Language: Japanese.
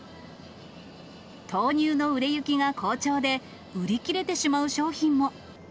豆乳の売れ行きが好調で、売り切れてしまう商品も。